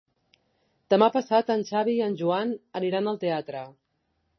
Demà passat en Xavi i en Joan aniran al teatre.